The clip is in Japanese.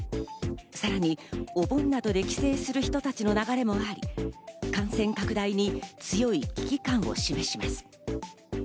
さらにお盆などで帰省する人たちの流れもあり、感染拡大に強い危機感を示します。